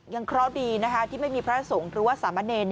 เคราะห์ดีนะคะที่ไม่มีพระสงฆ์หรือว่าสามะเนร